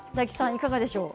いかがでしょう？